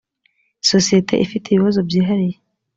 sosiyete ifite ibibazo byihariye